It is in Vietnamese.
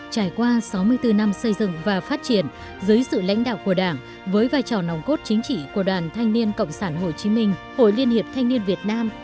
trải qua sáu mươi bốn năm xây dựng và phát triển dưới sự lãnh đạo của đảng với vai trò nòng cốt chính trị của đoàn thanh niên cộng sản hồ chí minh hội liên hiệp thanh niên việt nam